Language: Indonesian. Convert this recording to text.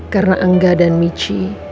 karena angga dan michi